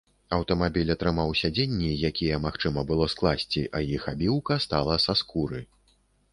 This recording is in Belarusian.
Аўтамабіль атрымаў сядзенні, якія магчыма было скласці, а іх абіўка стала са скуры.